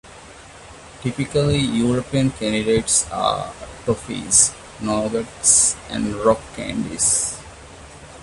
Typically, European candies are toffies, nougats and rock candies.